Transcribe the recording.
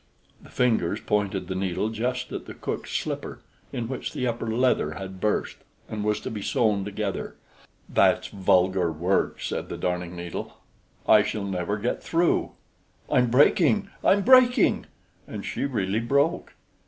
The Fingers pointed the needle just at the cook's slipper, in which the upper leather had burst, and was to be sewn together. "That's vulgar work," said the Darning needle. "I shall never get through. I'm breaking! I'm breaking!" And she really broke.